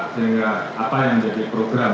sehingga apa yang menjadi program